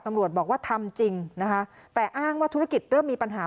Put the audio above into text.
ตำรวจบอกว่าทำจริงนะคะแต่อ้างว่าธุรกิจเริ่มมีปัญหา